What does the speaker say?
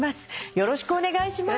よろしくお願いします。